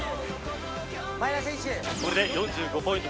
これで４５ポイント